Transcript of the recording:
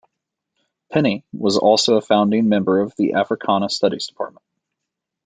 Penny was also a founding member of the Africana Studies Department.